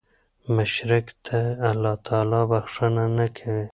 مشرک ته الله تعالی بخښنه نه کوي